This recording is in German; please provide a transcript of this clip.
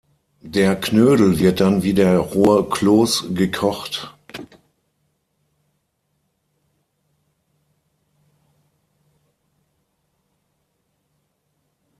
Der Knödel wird dann wie der rohe Kloß gekocht.